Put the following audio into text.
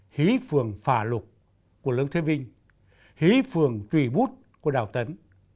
hí phường phà lục của lương thế vinh hí phường tùy bút của đào tấn